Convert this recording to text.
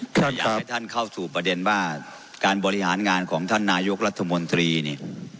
ก็อยากให้ท่านเข้าสู่ประเด็นว่าการบริหารงานของท่านนายกรัฐมนตรีนี่